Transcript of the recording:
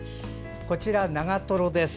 こちら、長瀞です。